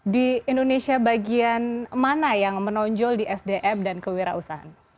di indonesia bagian mana yang menonjol di sdm dan kewirausahaan